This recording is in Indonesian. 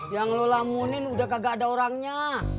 yang lu lamunin udah kagak ada orangnya